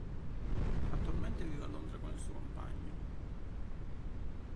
Attualmente vive a Londra con il suo compagno.